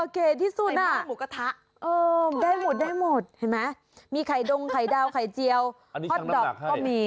เก่ที่สุดอ่ะได้หมดมีไข่ดงไข่ดาวไข่เจียวพอร์ตด็อกก็มี